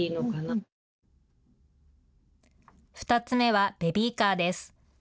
２つ目は、ベビーカーです。